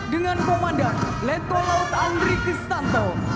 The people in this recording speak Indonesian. dengan komandan lepung laut andri kestanto